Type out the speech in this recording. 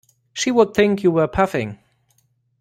She would think you were puffing.